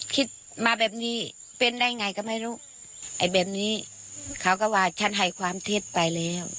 คิดมาแบบนี้เป็นได้ไงก็ไม่รู้ไอ้แบบนี้เขาก็ว่าฉันให้ความเท็จไปแล้ว